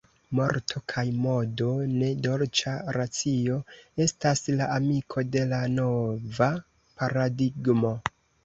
Morto kaj modo, ne dolĉa racio, estas la amiko de la nova paradigmo.